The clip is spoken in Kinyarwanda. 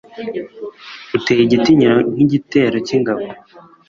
uteye igitinyiro nk'igitero cy'ingabo